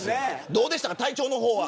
どうでしたか、体調の方は。